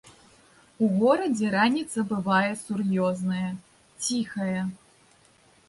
У горадзе раніца бывае сур'ёзная, ціхая.